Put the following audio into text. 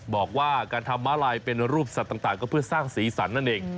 บอกว่าการทำม้าลายเป็นรูปสัตว์ต่างก็เพื่อสร้างสีสันนั่นเอง